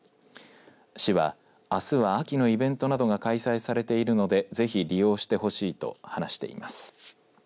市は、あすは秋のイベントなどが開催されているのでぜひ利用してほしいなどと話しています。